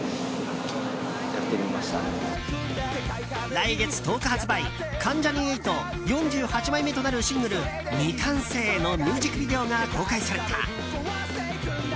来月１０日発売、関ジャニ∞４８枚目となるシングル「未完成」のミュージックビデオが公開された。